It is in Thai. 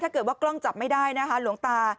ถ้าเกิดว่ากล้องจับไม่ได้นะคะหลวงตา